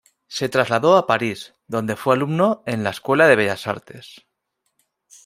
Se trasladó a París, donde fue alumno en la Escuela de Bellas Artes.